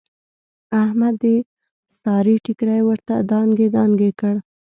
احمد د سارې ټیکری ورته دانګې دانګې کړ.